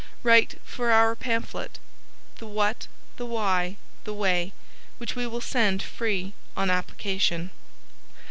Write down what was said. Write for our pamphlet. "The What, The Why, The Way," which will we sent free on application.